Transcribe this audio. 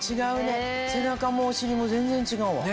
背中もお尻も全然違うわ。